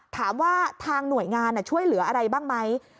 ถามว่าทางหน่วยงานช่วยเหลืออะไรบ้างไหม